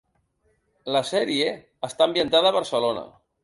La sèrie està ambientada a Barcelona.